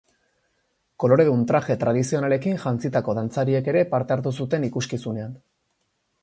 Koloredun traje tradizionalekin jantzitako dantzariek ere parte hartu zuten ikuskizunean.